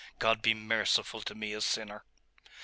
God be merciful to me a sinner!